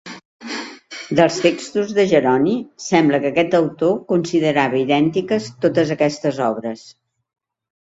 Dels textos de Jeroni, sembla que aquest autor considerava idèntiques totes aquestes obres.